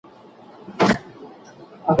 په سویډن کي سوسیالیزم منځ ته راغلی دی.